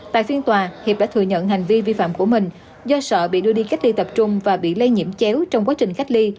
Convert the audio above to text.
tại phiên tòa hiệp đã thừa nhận hành vi vi phạm của mình do sợ bị đưa đi cách ly tập trung và bị lây nhiễm chéo trong quá trình cách ly